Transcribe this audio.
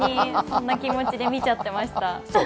そんな気持ちで見ちゃいました。